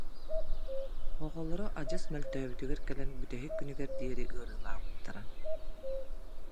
Оҕолоро адьас мөлтөөбүтүгэр кэлэн бүтэһик күнүгэр диэри ыарыылаабыттара